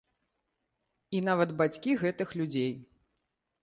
І нават бацькі гэтых людзей.